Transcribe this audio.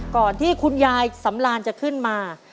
ก่อนที่คุณยายสำรานจะขึ้นมา